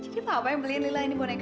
jadi papa yang beliin lila ini boneka